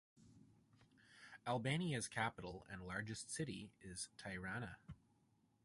Albania's capital and largest city is Tirana.